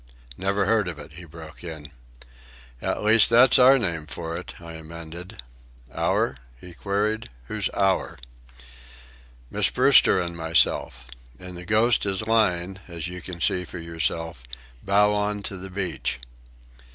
"Never heard of it," he broke in. "At least, that's our name for it," I amended. "Our?" he queried. "Who's our?" "Miss Brewster and myself. And the Ghost is lying, as you can see for yourself, bow on to the beach."